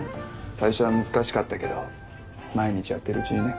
最初は難しかったけど毎日やってるうちにね。